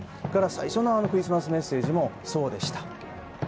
最初のクリスマスメッセージもそうでした。